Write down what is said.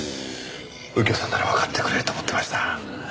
右京さんならわかってくれると思ってました。